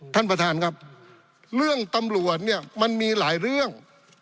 ท่านประธานครับเรื่องตำรวจเนี่ยมันมีหลายเรื่อง